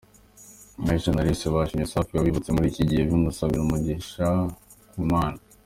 Aishana Alice bashimye Safi wabibutse muri iki gihe bamusabira umugisha ku Mana.